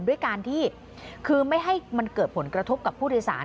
ด้วยการที่คือไม่ให้มันเกิดผลกระทบกับผู้โดยสาร